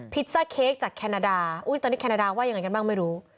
ซ่าเค้กจากแคนาดาตอนนี้แคนาดาว่ายังไงกันบ้างไม่รู้